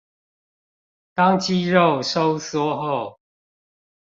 當肌肉收縮後